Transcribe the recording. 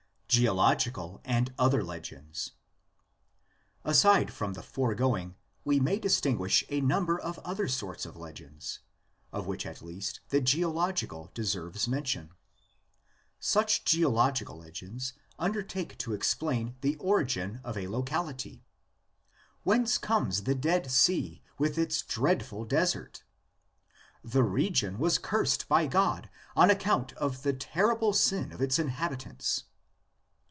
GEOLOGICAL AND OTHER LEGENDS. Aside from the foregoing we may distinguish a number of other sorts of legends, of which at least the geological deserves mention. Such geological legends undertake to explain the origin of a locality. Whence comes the Dead Sea with its dreadful desert? The region was cursed by God on account of the terrible sin of its inhabitants.